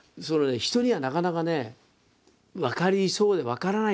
人にはなかなかね分かりそうで分からないのかもしれない。